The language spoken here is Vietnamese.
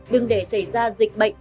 đừng để xảy ra dịch bệnh